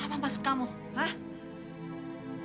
apa maksud kamu hah